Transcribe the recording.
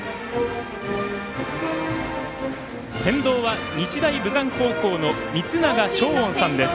先導は日大豊山高校の光永翔音さんです。